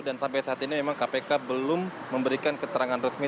dan sampai saat ini memang kpk belum memberikan keterangan resmi